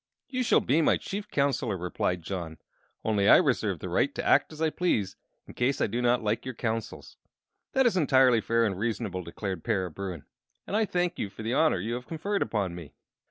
"You shall be my Chief Counselor," replied John; "only I reserve the right to act as I please in case I do not like your counsels." "That is entirely fair and reasonable," declared Para Bruin, "and I thank you for the honor you have conferred upon me."